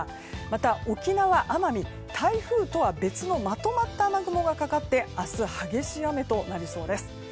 また、沖縄、奄美台風とは別のまとまった雨雲がかかって明日、激しい雨となりそうです。